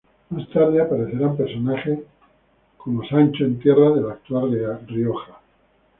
Más tarde aparecerán personajes Sancho en tierras de la actual Rioja.